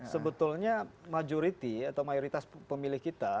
sebetulnya majority atau mayoritas pemilih kita